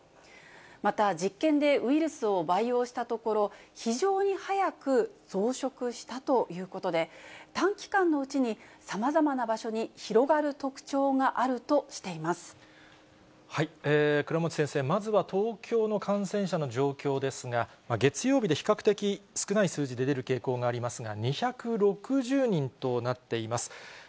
また実験でウイルスを培養したところ、非常に速く増殖したということで、短期間のうちにさまざまな場所に倉持先生、まずは東京の感染者の状況ですが、月曜日で比較的、少ない数字で出る傾向がありますが、２６０人となっています。